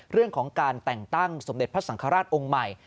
เรื่องของการแต่งตั้งสมเด็จพระสังฆราชองค์ใหม่